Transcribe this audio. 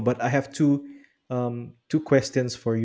tapi saya punya dua pertanyaan